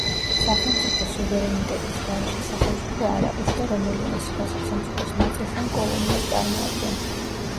სახელმწიფო სუვერენიტეტის გარეშე სახელმწიფო არ არის და რომელიმე სხვა სახელმწიფოს ნაწილს ან კოლონიას წარმოადგენს.